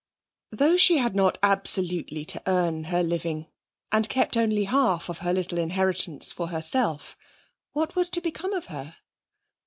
Though she had not absolutely to earn her living, and kept only half of her little inheritance for herself, what was to become of her?